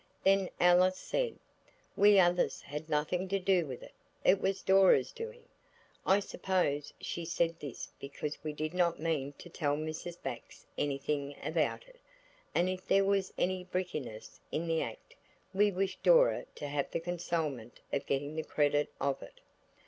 Then Alice said, "We others had nothing to do with it. It was Dora's doing." I suppose she said this because we did not mean to tell Mrs. Bax anything about it, and if there was any brickiness in the act we wished Dora to have the consolement of getting the credit of it.